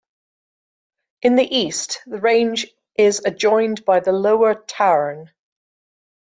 In the east, the range is adjoined by the Lower Tauern.